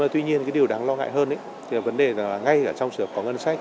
tuy nhiên điều đáng lo ngại hơn là vấn đề là ngay trong trường hợp có ngân sách